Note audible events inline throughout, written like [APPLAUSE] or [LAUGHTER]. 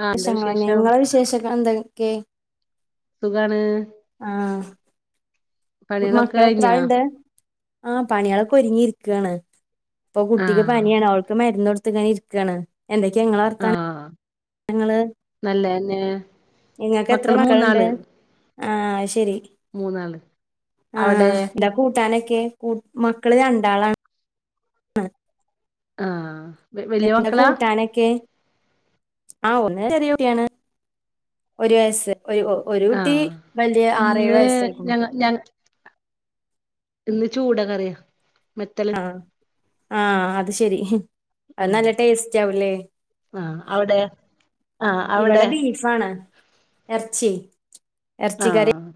ആഹ് എന്താ [UNINTELLIGIBLE] വിശേഷം നിങ്ങളെ വിശേഷങ്ങൾ എന്തൊക്കെ? സുഖാണ്. ആഹ് പണികളൊക്കെ കഴിഞ്ഞാ മക്കളെത്രാളുണ്ട്? ആ പണികളൊക്കെ ഒരുങ്ങി ഇരിയ്ക്കുകാണ്. ഇപ്പൊ കുട്ടിയ്ക്കു പ ആഹ് ഞാനവൾക്കു മരുന്ന് കൊടുത്തു ഇങ്ങനെ ഇരിക്കാണ്. എന്തൊക്കെയാ ഇങ്ങള ആഹ് ഞങ്ങള്. നല്ലതന്നെ നിങ്ങക്ക് എത്ര മക്കള് മക്കളുണ്ട്? മൂന്നാള് ആഹ്, അത് ശരി. മൂന്നാള് അവിടെ ആഹ്! എന്താ കൂട്ടാനൊക്കെ? [INAUDIBLE] മക്കള് രണ്ടാളാണ്. ആഹ് വല്യ എന്താ മക്കളാ കൂട്ടാനൊക്കെ? ആ ഒന്ന് ചെറിയ കുട്ടിയാണ്. ഒരു വയസ്സ്. [UNINTELLIGIBLE] ഒരു കുട്ടി വലിയ ആറേഴ് വയസ്സായ്ക്ണ് ഞാൻ എന്ത് ചൂടാന്നറിയോ, [UNINTELLIGIBLE] ആ അത് ശരി! അത് ഉം നല്ല ടേസ്റ്റ് ആവൂല്ലേ? ആഹ് അവ്ടെ? ആഹ് അവ്ടെ ആണ്. എറച്ചി എറച്ചിക്കറി ആഹ്,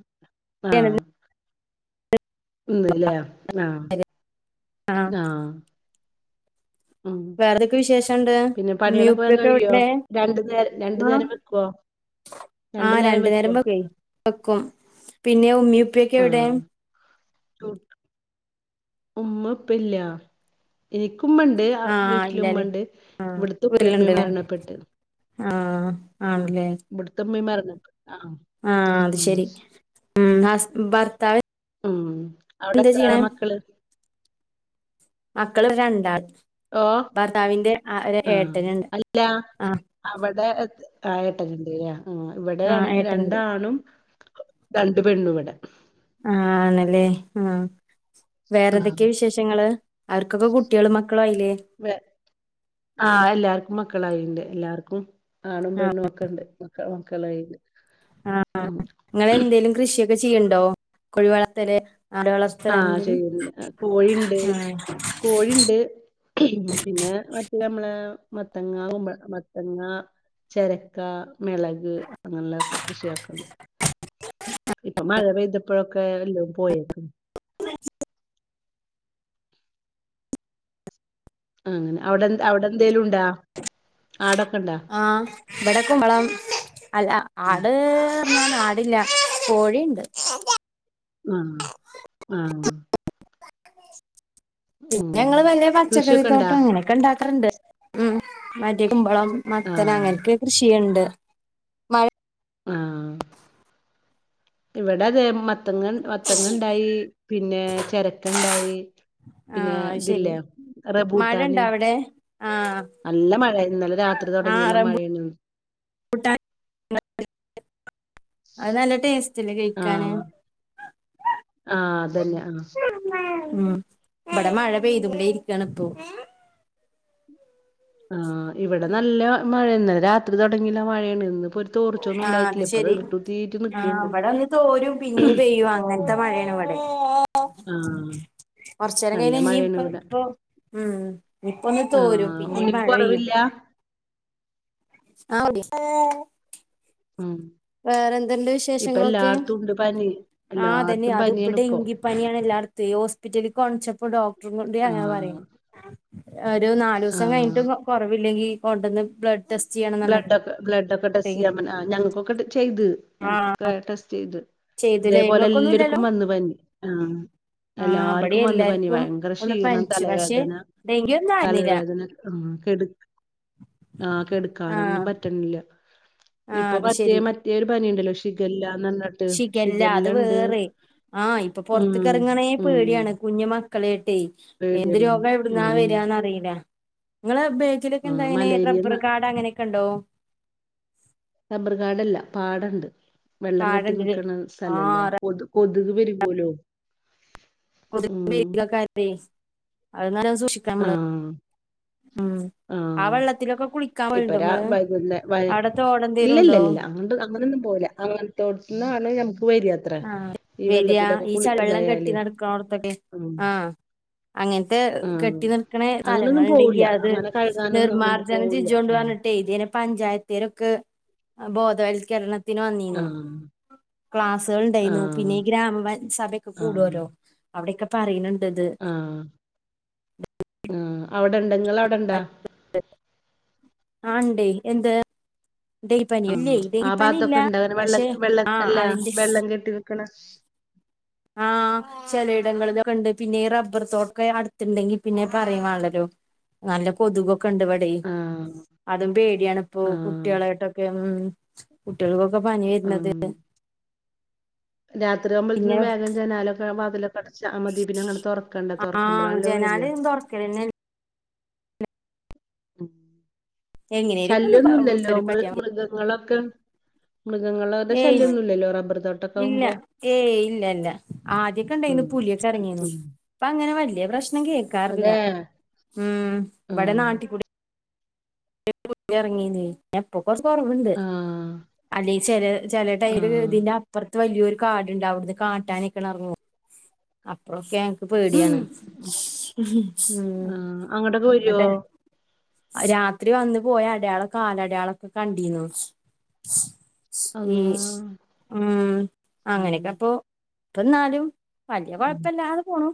ആഹ് ഇല്ല, ആഹ് ആ ആഹ് ഉം വേറേന്തൊക്കെ വിശേഷണ്ട്? പിന്നെ പണികളൊക്കെ വേഗം കഴിയോ [UNINTELLIGIBLE] രണ്ടു നേരം രണ്ടു ആ. നേരം വെക്കുവോ ആഹ്, രണ്ടു നേരം വെക്കുവേ, വെക്കും. പിന്നെ ഉമ്മിം ഉപ്പിയൊക്കെ എവ്ടെ? ആഹ് ഉമ്മ ഉപ്പയില്ല. എനിയ്ക്കു ഉമ്മ്ണ്ട് ആ [UNINTELLIGIBLE] വീട്ടില് ഇല്ലല്ലേ ഉമ്മണ്ട്. ആ ഇവിടുത്ത ഉപ്പയും ഉമ്മയും മരണപ്പെട്ട് ആഹ് ആഹ്, ഇവിടുത്തുമ്മയും മരണപ്പെ. ആ ആഹ്, അത് ഉം ശരി. ഉം ഹസ്, ഭർത്താവ് ഉം എന്താ അവിടെത്രാൾ ചെയ്യണേ മക്കള്? മക്കള് രണ്ടാള്. ഓ ഭർത്താവിന്റെ ആ ഒരു ഏട്ടനുണ്ട്. അല്ല ആ അവിടെ ആ [UNINTELLIGIBLE] ഇവ്ടെ ആ രണ്ട് ഏട്ടനുണ്ട് രണ്ടാണും രണ്ടു പെണ്ണ്‌ങ്ങൾ ആ ആണിലേ ആ. ആ വേറെന്തൊക്കെയാ വിശേഷങ്ങള്? അവർക്കൊക്കെ കുട്ടികളും മക്കളും ആയില്ലേ? വേ ആഹ് എല്ലാർക്കും മക്കളായുണ്ട്. എല്ലാർക്കും ആണും ആ പെണ്ണും ഒക്കെണ്ട് [INAUDIBLE] ആഹ്, ആ ഉം നിങ്ങളെന്തേലും കൃഷിയൊക്കെ ചെയ്യുണ്ടോ? കോഴി വളർത്തല്, ആട് ആ വളർത്തല്? ചെയ്യണ്ട് [UNINTELLIGIBLE] കോഴിണ്ട് ആഹ് കോഴിണ്ട് പിന്നെ മറ്റേ നമ്മളാ, മത്തങ്ങാ കുമ്പൾ. മത്തങ്ങാ ചെരക്ക മെളക് അങ്ങനെയൊക്കെ കൃഷിയക്കണ്ട് ആ ഇപ്പം മഴ പെയ്തപ്പഴൊക്കെ എല്ലും പോയേക്കും ആ ആ അങ്ങനെ അവടെ എ അവടെ എന്തേലും ഉണ്ടാ ആടൊക്കെ ഇണ്ടാ ആഹ് ഇവടെ കുമ്പളം അല്ല ആട് [UNINTELLIGIBLE] ആടില്ല കോഴിയിണ്ട് മ് മ് പിന്നെ ഉം ഞങ്ങള് വലിയ പച്ചക്കറി കൃഷിയൊക്കെ ഇണ്ടാ തോട്ടം അങ്ങനെയൊക്കെ ഒണ്ടാക്കാറൊണ്ട് ഉം മറ്റേ കുമ്പളം മത്തൻ ആഹ് അങ്ങൻക്കെ കൃഷി ചെയ്യണ്ട് ആഹ് ഇവടെ അതെ മത്തങ്ങ മത്തങ്ങ ഇണ്ടായി പിന്നെ ചെരക്കണ്ടായി പിന്നെ ആഹ് ശരി ഇതില്ലേ മഴ റെബൂട്ടാന് ഇണ്ടോ അവിടെ ആഹ് നല്ല മഴ ഇന്നലെ രാത്രി ആഹ് തെടങ്ങിയല്ലാം റംബൂ മഴയാണ് അത് നല്ല ടേസ്റ്റ് ഇല്ലേ കയിക്കാന് ആഹ് ആഹ് അതന്നെ ആഹ് ഉം ഇവടെ മഴ പെയ്തു കൊണ്ടെ ഇരിക്കാണ് ഇപ്പോ ആഹ് ഇവടെ നല്ല മഴേന്നെ ഇന്നലെ രാത്രി തൊടങ്ങില്ല മഴയാണ് ഇന്ന് ഇപ്പോ തോർച്ചൊന്നും ആഹ് ഒണ്ടായിട്ടില്ല ഇപ്പ അത് ശെരി ഇർട്ടു തീട്ട ആഹ് നക്കണ്ട് ഇവിടെ ഒന്ന് തോരും പിന്നീം പെയ്യും മ് അങ്ങനത്തെ മഴയാണ് ഇവിടെ ആഹ് കൊറച്ചേരം നല്ല കൈഞ്ഞ് ഇനി മഴയാണ് ഇപ്പം ഇവിടെ ഇപ്പ ഉം ഇനിപ്പം ഒന്ന് തോരും ആഹ് പിന്നെയും ഉണ്ണിക്ക് മഴ പെയ്യും കൊറവില്ല ആഹ് [UNINTELLIGIBLE] ഉം വേറെ എന്തെന്റെ ഇപ്പ വിശേഷങ്ങളൊക്കെ എല്ലാട്ത്തും ഉണ്ട് പനി ആഹ് അതന്നെയ എല്ലാട്ത്തും അത് പനിയാണ് ഇപ്പടെ ഇപ്പോ ഇങ്കിപ്പനിയാണ് എല്ലാർക്കും തൈ ഹോസ്പിറ്റലിൽകാണിച്ചപ്പോ ഡോക്ടർും കൊൂ അങ്ങനെ പറയേ ആഹ് ഒരു നാലുസം കഴിഞ്ഞിട്ട് ആഹ് കൊറവില്ലെങ്കി കൊണ്ടന്ന് ബ്ലഡ് ടെസ്റ്റ് ചെയ്യണംന്ന് ബ്ലഡ്ക്കെ പറഞ്ഞിട്ടേ ബഡൊക്ക ടെസ്റ്റിയ ആ ഞങ്ങൾക്കൊക്കെ ചെയ്ത് ആഹ് ഞങ്ങൾക്കൊക്കെ ടെസ്റ്റ് യ്ത് ചെയ്തില്ലേ ഇതേപോലെ ഇങ്ങക്കൊന്നും ഇല്ലല്ലോ എല്ലാര്ക്കും വന്നു പനി ആ ആഹ് ഇവിടെ എല്ലാര്ക്കും വന്ന പനി എല്ലാർക്കും ഭയങ്കര ഒന്ന് ക്ഷീണം പനിച്ചു പക്ഷെ തലവേദന ഡെങ്കി ഒന്നും ആയിരുന്നില്ല തലവേദന ഉ കെടു ആ കെടു ആഹ് ക്കാനൊന്നും പറ്റണില്ല ആഹ് ഇപ്പൊ അത് മറ്റേ ശെരി മറ്റേ ഒരു പനിയുണ്ടല്ലോ ഷികല്ല ശിഖല്ല അത് വേറെ ആ ഇപ്പൊ ഉം പുറത്ത കറങ്ങണേ ഉം പേടിയാണ് കുഞ്ഞ മ മക്കളെട്ടേ എന്ത് പേടിയാണ് രോഗ എവിടുന്നാ ഉം വരാന്നറിയില്ല ഇങ്ങള് ബേച്ചിടോക്കെ ആഹ് എന്താങ്ങനെ മലേറിയ റബർ കാഡ് അങ്ങനൊക്കെ ഇണ്ടോ റബർ കാടല്ല പാടണ്ട് വെള്ളം കെട്ടി കാടുണ്ട്ല്ലേ നിക്കണ സ്ഥലല്ലേ ആഹ് കൊതു കൊതുക് പെരികൊല്ലോ ബെ ക്കിലൊക്കെ ആ നല്ലോം സൂക്ഷിക്കാണം നമ്മൾ ആഹ് ആ ആഹ് വെള്ളത്തിലൊക്കെ കുളിക്കാൻ ഇപ്പ പോവലുണ്ടോ രാ ങ്ങള് വൈകുന്നേ വൈ അവിടത്തെ തോട്ന്തേലും ണ്ടോ ഇല്ലല്ലല്ല അങ്ങട്ട് അങ്ങനൊന്നും പോല്ല അങ്ങനത്തോട്ട്ത് ന്നാണ് ഞമ്മക്ക് വര്യ ആ വരാ ഈ ചളിവെള്ളം കെട്ടി ഇതായാല് നടക്ക് ണോട്ത്തൊക്കെ ഉം ആ അങ്ങൻത്തെ ആഹ് കെട്ടി നിൽക്കണ സ്ഥലങ്ങൾ അങ്ങനൊന്നും ഇണ്ടെങ്കി പോവൂല്ല അത് അങ്ങനെ കഴുകാനൊന്നും അങ്ങണ്ട് നിർമമാർജനം പോവൂല്ല ചെയ്ചോണ്ടി ഉം പറഞ്ഞിട്ട് [UNINTELLIGIBLE] പഞ്ചായത്തരോക്കെ ബോധവൽക്കരണ തിന് വന്നിന്നു ആഹ് ക്ലാസ്സ് തകൾ ഉണ്ടായിന്നു ആഹ് പിന്നെ ഈ ഗ്രാമ സഭയൊക്കെ ആഹ് കൂടുല്ലോ അവിടെയൊക്കെ പറയുണ്ണ്ണ്ട് ഇത് ആ ആ അവിടെണ്ട ഇങ്ങളഅവിടെണ്ടാ ആ ണ്ടെ എന്ത് ഡെങ്കിപ്പനി ആ ഇല്ലേ ആ ഡെങ്കിപ്പനി ഇല്ല ഭാത്തൊക്കെ ഇണ്ടാ ങ്ങനെ വെള്ളം പക്ഷെ വെള്ളം ആ അല്ല അതിന്റെ വെള്ളം കെട്ടി നി ക്കണ ! ! ആ ചെലയിടങ്ങളിലൊകണ്ട് പിന്നെ റബ്ബർ തോ അടുത്തിട്ടെങ്കി പറയിം വാണ്ടല്ലോ നല്ല കൊതുകൊക്കെ ണ്ട് വിടെ ആഹ് അതും പേടിയണിപ്പൊ ആഹ് കുട്ടികൾക്കൊക്കെ പനി വരുന്നത് രാത്രിയാവുമ്പോ പിന്നെ വേഗം ജനാലൊക്കെ വാതിലക്കെ അടിച്ചാ മതി പിന്നെ അങ്ങനെ തുറക്കണ്ട ആ തുറക്കുമ്പോളാണല്ലോ വര ജനാല [UNINTELLIGIBLE] എങ്ങനേലൊക്കെ ഒന്ന് ശല്യന്നൂല്ലല്ലോ കേറി മൃ പറ്റിയാ മതി മൃഗങ്ങളൊക്കെ മൃഗങ്ങളുടെ ഏയ് ശല്യന്നുംല്ലല്ലോ റബ്ബർത്തോ ട്ടൊക്കെ ആവുമ്പോ ആദ്യക്കെ ഉം ഇണ്ടായിന്ന് പുലിയൊക്കെ ഇറങ്ങിനു ഉം ഇപ്പ അങ്ങനെ വലിയ പ്രശ്നം കേൾക്കാറില്ല അതെ മ് ഇവിടെ ആഹ് നാട്ടി ക്കൂടെ [UNINTELLIGIBLE] എപ്പൊ കുറച്ച് കുറവുണ്ട് ആഹ് ചില ചിലടൈൽ ആഹ് ഇതിന്റെ അപ്പുറ വലിയൊരു കാട്ണ്ട് അവിടുന്ന് കാട്ടാനൊക്കെറങ്ങും അപ്പഴൊക്കെ പ്പ പേടിയാണ് മ്മ് ആഹ് അങ്ങട്ടൊക്കെ വരോ എന്നിട്ട് ആ രാത് ത്രി വന്ന് പോയ അടയാള കാലടയാളൊക്കെ കണ്ടിന്നു ഈ അള്ളാ ഉം ഉം അങ്ങനെക്കെ അപ്പൊ ഇപ്പന്നാലും വലിയ ഉം കൊഴപ്പല്ലാതെ പോണു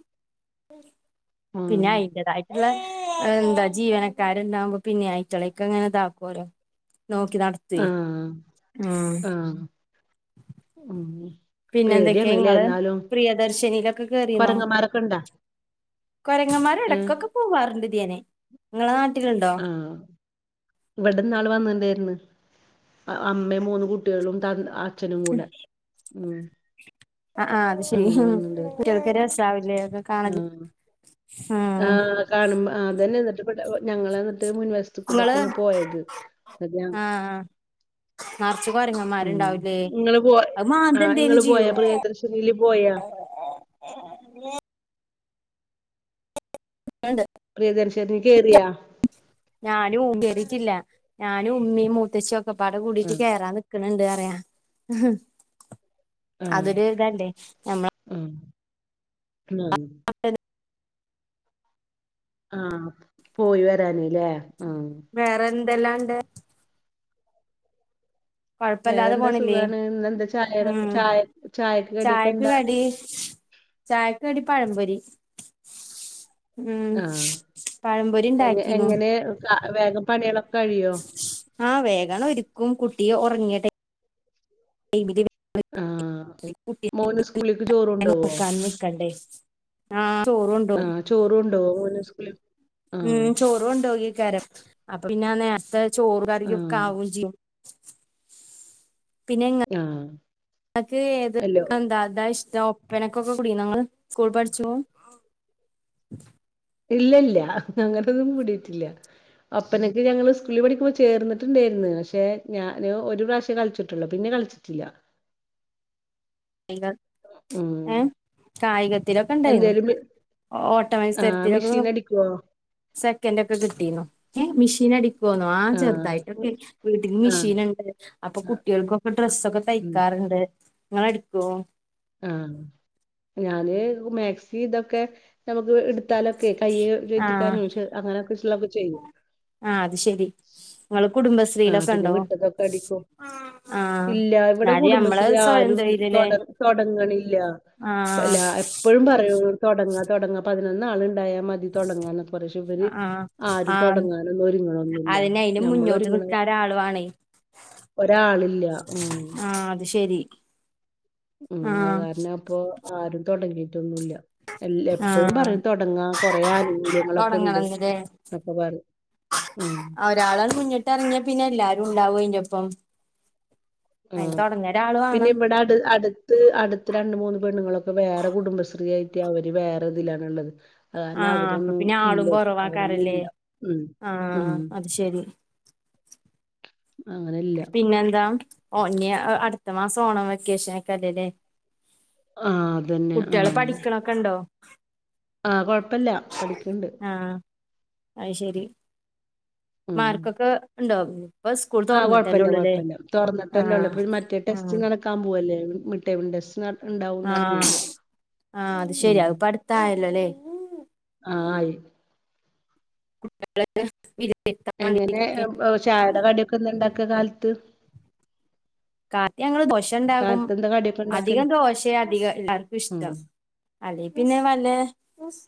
പിന്നെ അയിന്റെതായ എന്താ ജീവനക്കാരണ്ടാവുമ്പോ പിന്നെ ആയിറ്റളെ ക്ക ങ്ങനെ ഇതാകോലോ നോക്കി നടത്തുവെ ആഹ് ആഹ് ഉം പിന്നെന്തൊക്കെയാ പേടിയാണ്ല്ലേ ഇങ്ങള് എന്നാലും പ്രിയദർശിനയിലൊക്കെ കേറിന്നോ കൊരങ്ങന്മാരൊക്കെ ഇണ്ടാ കൊരങ്ങന്മാര ഏഹ് ഇടക്കൊക്കെ പോവാറുണ്ട് ദിനെ നിങ്ങളെ നാട്ടിലുണ്ടോ ആ ഇവിടന്നാള് വന്നോണ്ടായിര്ന്ന് അഅമ്മയും മൂന്ന് കുട്ടിയളും തന്അച്ഛനും കൂടെ ഉം ആ ആ അത് ശരി അങ്ങനെ വന്നിണ്ടായിരുന്നു കുട്ട്യാൾക്ക് ഒര് രസാവില്ലേ അതൊക്കെ കാണല് ആഹ് ഉം ആഹ് കാണുമ്പ അതെന്നെ ഇവിടെ ഞങ്ങൾ എന്നിട്ട് മുൻ ഇങ്ങള് വശത്ത്കൂടൊക്കെയാണ് പോയത്. ന്നിട്ട് ഞ ആ ആ നറച്ച് ഉ കൊരങ്ങന്മാരുണ്ടാവൂലേ നിങ്ങള് പോയ അത് മാന്ത ആ് എന്തേലും നിങ്ങള് പോയ ചെയ്യോ പ്രിയ ദർശിനിയിൽ പോയാ ആണ്ട് പ്രിയദർശിനിയിൽ കയറിയാ ഞാനും കേറിറ്റില്ല, ഞാനും ഉമ്മയും മൂത്തച്ചിയും ഒക്കെ പാട കൂടിട്ട് ആഹ് കേറാ നി ക്ക്ണണ്ട് പറയാ. ആഹ് അതൊരു ഇതല്ലേ ഞമ്മളെ ഉം ആണ് [UNINTELLIGIBLE] ആ പോയി വരാന് ലേ. ആഹ് വേറെ എന്തെല്ലാ ഇണ്ട് കൊഴപ്പല്ലാതെ വേറെന്താ പോണില്ലേ. സുഖാണ് ഇന്നെന്താ ചായയുടെ മം ചായ കടിയൊക്കെ ചായക്ക് എന്താ കടി ചായക്ക് കടി പഴമ്പൊരി മ്മ് ആഹ് പഴംപൊരി എങ്ങ ഇണ്ടാക്കിന്നു എങ്ങനെ വേഗം പണിയള ആ വേഗണം ഒരിക്കും കുട്ടി ഉറങ്ങ്യ ടൈമിൽ [INAUDIBLE] ആഹാ [UNINTELLIGIBLE] നോക്കാനും നിക്കണ്ടേ. ആഹ് ചോർ കൊണ്ടോവും ആഹ് ചോറ് കൊണ്ടൊവോ മോൻ ഉസ്കൂളിക്ക് ഉം ചോറ് കൊണ്ടോകികാരം. അപ്പൊ പിന്നെ നേരത്തെ ചോറ് കറി ഒക്കെ ആഹ് ആവുംചെയ്യും പിന്നെങ്ങ ആഹ് നിക്ക് ഏത് അല്ലോ എന്താ അതാ ഇഷ്ട ഒപ്പനക്കൊക്കെ കൂടിണോ ഇങ്ങള് സ്കൂൾ പഠിച്ചു പോ? ഇല്ല ഇല്ല അങ്ങനൊന്നും കൂടിയിട്ടില്ല. ഒപ്പനൊക്കെ ഞങ്ങള് സ്കൂളിൽ പഠിക്കുമ്പോ ചേർന്നട്ടുണ്ടായിന്ന്. പക്ഷെ ഞാാന് ഒരു പ്രാവശ്യം കളിച്ചിട്ട്- ള്ളൂ. പിന്നെ കളിച്ചിട്ടില്ല. കൾ മ് കായികത്തിലൊക്കെ ണ്ടായിരുന്നു ഓട്ട ആഹ് മസരത്തിലൊക്കെ നി മെഷീൻ അടിക്കുവോ സെക്കന്റ് ഒക്കെ കിട്ടീന്നു. ഏ മെഷീൻ അടിക്കോന്നോ, ആ ആഹ് ചെറുതായിട്ടൊക്കെ വീട്ടില് ആഹ് മെഷീൻണ്ട്. അപ്പൊ ആഹ് കുട്ടികൾക്കൊക്കെ ഡ്രസ്സൊക്കെ ഉം തയ്ക്കാറുണ്ട് ഇങ്ങള് അടടിക്കോ? ആഹ് ഞാന് മാക്സി ഇതൊക്കെ. നമുക്ക് എടുത്താലൊക്കെ കൈയ്യ് ആ കേറ്റിക്കാനും അങ്ങനെൊക്കെുള്ളൊക്കെ ചെയ്യും. ആ അത് ശെരി ഇങ്ങള് ആഹ് കുടുംബശ്രീയിലൊക്കെ പിന്നെ ഇണ്ടോ? വിട്ടതൊക്കെ അടിക്കും ആ ഇല്ല ഇവിടെ എന്നാല് നമ്മള് കുടുംബശ്രീ സ്വയം ആരും തൊഴിലില്ലേ തുടർ- തുടങ്ങണില്ല ആ എല്ലാ. ഇപ്പോഴും പറയൂ തുടങ്ങാ തുടങ്ങ പതിനൊന്ന് ആൾ ണ്ടായാ മതി. തുടങ്ങന്നൊക്കെ പക്ഷേ ഇവര് ആ ആ ആരും തുടങ്ങാനൊന്നും ഒരുങ്ങ്ണ്ഒന്നുല്ല അതിന് അയിന് ഞമ്മൾ മുന്നോട്ട് ഒരുങ്ങണ - നിക്കാൻ ഒരാള് വാണേ ഉം ആഹ് അത് ശരി. മ് അത് കാരണം അപ്പൊ ആരും തുടങ്ങിയിട്ടൊന്നുമല്ല. എല്ലാ എപ്പോഴും ആഹ് പറയും തൊടങ്ങാ കൊറെേ ആനുകൂല്യങ്ങളൊക്കെ ണ്ട് തൊടങ്ങണംന്ന്ല്ലേ എന്നൊക്കെ പറയും. മ് ഒരാളാണ് മുന്നിട്ട് ഇറങ്ങ്യ പിന്നെ എല്ലാരും ണ്ടാവും അയിന്റോപ്പം. ഉ പിന്നെ വേണം ഇവിടെ അടു അടു- അടുത്ത് രണ്ട് മൂന്ന് പെണ്ണുങ്ങളൊക്കെ വേറെ കുടുംബശ്രീ ആയിട്ട് അവര് വേറെ ഇതിലാണുള്ളത്. കാര ആഹ് അപ്പൊ അവരൊന്നും പിന്നെ ഇല്ല ആളും കൊറവാക്കാരല്ലേ അവരൊന്നുമല്ല മ് മ്. ശരി അങ്ങനെല്ല പിന്നെ എന്താ ഓന്യ അടുത്ത മാസം ഓണം വെക്കേഷൻ ഒക്കെ അല്ലേല്ലേ? ആഹ് അതന്നെ കുട്ടികള് പഠിക്കണൊക്കെ ണ്ടോ? ആഹ കൊഴപ്പല്ല പഠിക്ക്ണ്ട് ആഹ് അഅ് ശരി. ഉം മാർക്കൊക്കെ ണ്ടൊ? ആഹ് കുഴപ്പമല്ല കുഴപ്പല്ല തുറന്നിട്ടല്ലേ ഉള്ള ആഹ് മറ്റേ ആഹ് ടെസ്റ്റ് നടക്കാൻ പോവല്ലേ മട്ട ടെസ്റ്റ്- ഇണ്ടാവുംന്ന് ആഹ് അറിഞ്ഞീണ്ട്. ആഹ് അത് ഉം ശരിയാത് പടുത്തായല്ലോ ല്ലേ. ആഹ് ആയി. എങ്ങനെ [UNINTELLIGIBLE] ചായയുടെ കടിയൊക്കെ ന്താ ണ്ടാക്യാ കാലത്ത്? കാത്തി ഞങ്ങള് ദോശ ണ്ടകും കാലത്ത് എന്താ കടിയൊക്കെ ഇണ്ടാക്കല് അധികം ദോശ അധികം എല്ലാർക്കും ഉം ഇഷ്ടം അല്ലെ പിന്നെ വല്ല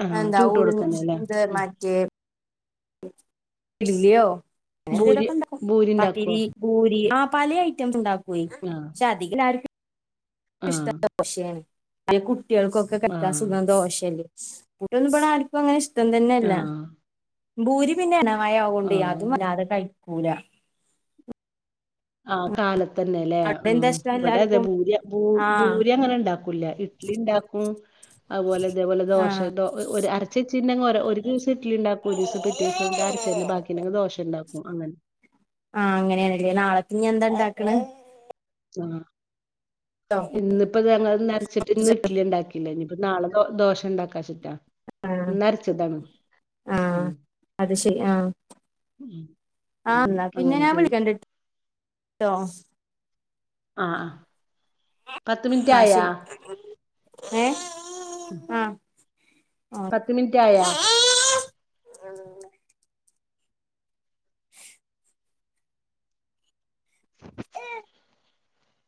ആഹ് എന്താ ചൂട്ട് കൊടുക്കന്നെല്ലേ ഉഴുന്ന് ഉം മറ്റേ- ഇല്ലയോ അങ്ങന ഭൂരി എന്തതൊക്കെ ഇണ്ടാക്കും ഭൂരി ഇണ്ടാക്കോ പത്തിരി പൂരി ആ പല ഐറ്റംസ് ഉണ്ടാക്കുവയി- ആഹ് അധിക എല്ലാ രും ഇഷ്ട ആഹ് ദോശയാണ് അ കുട്ടികൾക്കൊക്കെ കെ യിക്കാൻ ആഹ് സുഖം ദോശല്ലേ കൂട്ടൊന്നും ഇപ്പൊ അങ്ങനെ ഇഷ്ടം തന്നെയല്ല ആഹ് ഭൂരി പിന്നെ ഇണവായ ആവുകൊണ്ട് അതും ആഹ് വല്ലാതെ കഴിക്കൂല ആ കാലത്ത തന്നെ അല്ലേ അവിടെ ഉ എന്താ ഇഷ്ടം ഇവിടെ അതെ എല്ലാർക്കും ഭൂരി ഭൂ ആഹ് ഭൂരി അങ്ങനെ ണ്ടാക്കും ഇഡലി ണ്ടാക്കും അതുപോലെ അതേപോലെ ദോശെ ആഹ് അരച്ചച്ചീന്ന ഒരു ദിവസ ഇട്ടലിണ്ടാക്കും ഒരു ദിവസം പിറ്റേ ദിവസം അരച്ച തന്നെ ബാക്കി- ദോഷംണ്ടാക്കും അങ്ങനെ ആഹ് അങ്ങനെയണല്ലേ നാളക്ക് ഞ്ഞ്എന്താ ണ്ടാക്കണ് ആ ഇന്നിപ്പോ ഞങ്ങ നിരച്ചിട്ട് ഇന്ന് ഇട്ടലി ഉണ്ടാക്കി നാളെ ദോശ ണ്ടാക്കാന്ന്ചിട്ട ന്ന് അരച്ചതാ ആഹ അത് ശരി ആഹ ഉം ഉം. ആ പിന്നെ അങ്ങനെ ഞാൻ ചെയ്യും വിളിക്ക ട്ടോ ആ പത്ത് മിനിറ്റ് ആ ആയാ ശരി ഏ ആഹ് പത്ത് മിനിറ്റ് ആയാ ഓ